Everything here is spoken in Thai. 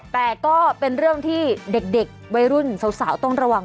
แต่ก็เป็นเรื่องที่เด็กวัยรุ่นสาวต้องระวัง